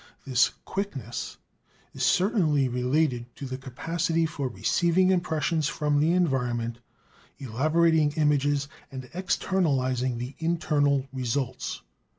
This "quickness" is certainly related to the capacity for receiving impressions from the environment, elaborating images, and externalizing the internal results.